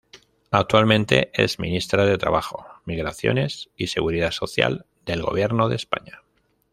Actualmente es ministra de Trabajo, Migraciones y Seguridad Social del Gobierno de España.